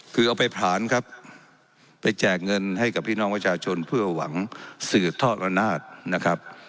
คือเอาไปผลาญครับไปแจกเงินให้กับพี่น้องประชาชนเพื่อหวังสืบทอดอำนาจนะครับ